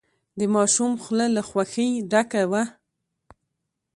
د ماشوم خوله له خوښۍ ډکه وه.